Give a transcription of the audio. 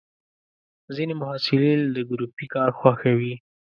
ځینې محصلین د ګروپي کار خوښوي.